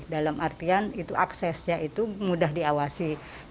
dalam artian itu aksesnya itu mudah diawasi